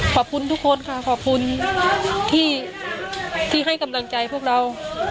ขอบคุณทุกคนค่ะขอบคุณที่ให้กำลังใจพวกเรา